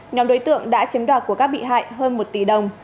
nhóm đối tượng đã chiếm đoạt của các bị hại hơn một tỷ đồng